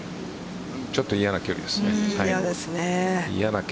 ちょっと嫌な距離ですね。